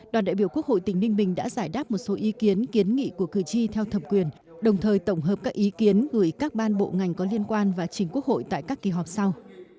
đoàn đại biểu quốc hội tỉnh ninh bình đã giải đáp một số ý kiến kiến nghị của cử tri theo thẩm quyền đồng thời tổng hợp các ý kiến gửi các ban bộ ngành có liên quan và chính quốc hội tại các kỳ họp sau